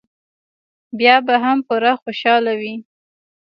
بیا به هم پوره خوشاله وي.